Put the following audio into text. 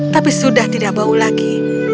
tapi sudah tidak bau lagi